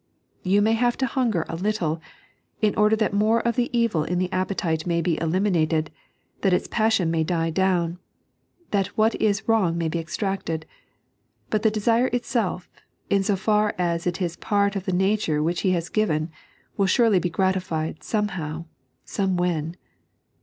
Yon may have to hunger a little, in order that more of the evil in the appetite may be eliminated, that its passion may die down, that what is wrong may be extracted ; but the desire itself, in so far as it is part of the native which He has given, will surely be gi atified somehow, somewhen.